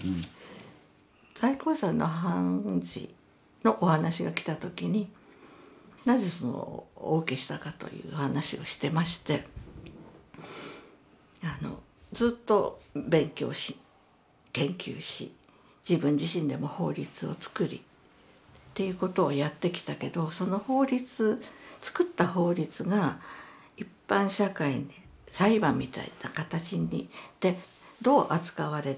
最高裁の判事のお話が来た時になぜお受けしたかという話をしてましてあのずっと勉強し研究し自分自身でも法律を作りっていうことをやってきたけどその法律というようなことを話として聞きました。